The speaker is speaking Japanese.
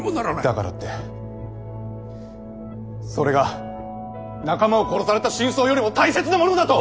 だからってそれが仲間を殺された真相よりも大切なものだと？